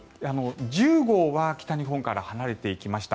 １０号は北日本から離れていきました。